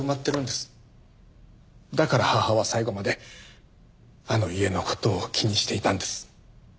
だから母は最期まであの家の事を気にしていたんです。